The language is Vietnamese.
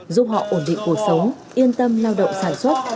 giúp họ ổn định cuộc sống yên tâm lao động sản xuất